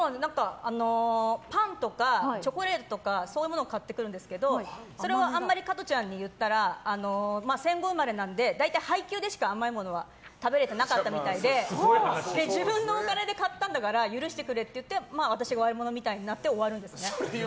パンとかチョコレートとかそういうものを買ってくるんですけどそれをあんまり加トちゃんに言ったら戦後生まれなんで大体、配給でしか甘いものは食べられてなかったみたいで自分のお金で買ったんだから許してくれっていって私が悪者みたいになって終わるんですね。